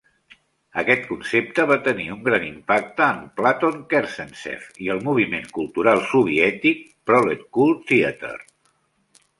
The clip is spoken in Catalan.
Aquest concepte va tenir un gran impacte en Platon Kerzhentsev i el moviment cultural soviètic Proletcult Theatre.